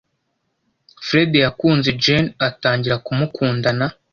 Fred yakunze Jane atangira kumukundana.